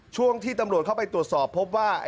ช่วงที่ตำรวจเข้าไปตรวจสอบพบว่า